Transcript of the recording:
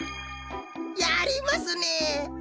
やりますね！